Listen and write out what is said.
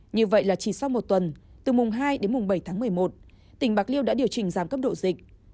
như vậy là chỉ sau một tuần từ mùng hai đến mùng bảy tháng một mươi một tỉnh bạc liêu đã điều chỉnh giảm cấp độ dịch